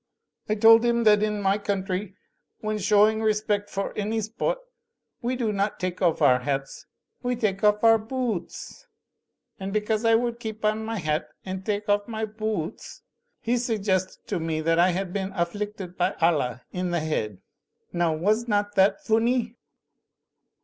"I told him that in my country, when showing re spect for any spot, we do not take off our hats ; we take off our boo oots. And because I would keep on my hat and take off my boo oots, he suggested to me that I had been afflicted by Allah, in the head. Now was not that foony?"